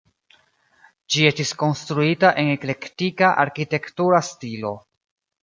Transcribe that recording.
Ĝi estis konstruita en eklektika arkitektura stilo.